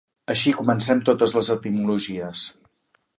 Així comencem totes les etimologies.